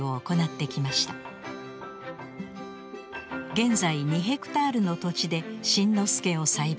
現在２ヘクタールの土地で新之助を栽培。